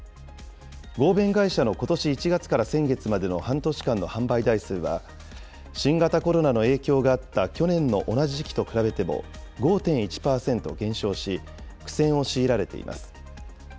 合弁会社のことし１月から先月までの半年間の販売台数は、新型コロナの影響があった去年の同じ時期と比べても５．１％減少し、苦戦を強いられています。